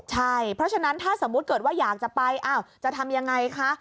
ใช่เพราะฉะนั้นถ้าสมมุติเกิดว่าอยากจะไปจะทำยังไงคะ